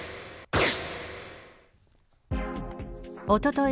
おととい